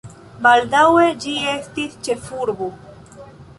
Baldaŭe ĝi estis ĉefurbo.